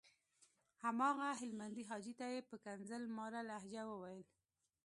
هماغه هلمندي حاجي ته یې په ښکنځل ماره لهجه وويل.